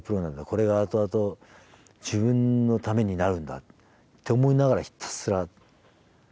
これがあとあと自分のためになるんだって思いながらひたすら走ってましたね。